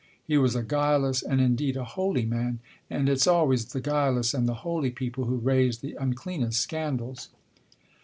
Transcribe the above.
He was a guileless and indeed a holy man ; and it's always the guileless and the holy people who raise the uncleanest scandals.